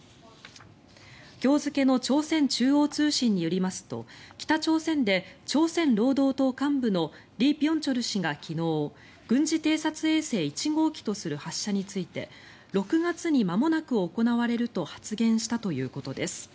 今日付の朝鮮中央通信によりますと北朝鮮で朝鮮労働党幹部のリ・ビョンチョル氏が昨日軍事偵察衛星１号機とする発射について６月にまもなく行われると発言したということです。